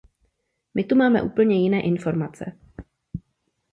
My tu máme úplně jiné informace.